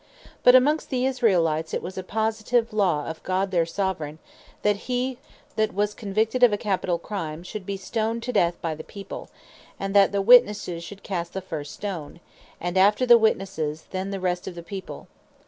But amongst the Israelites it was a Positive Law of God their Soveraign, that he that was convicted of a capitall Crime, should be stoned to death by the People; and that the Witnesses should cast the first Stone, and after the Witnesses, then the rest of the People.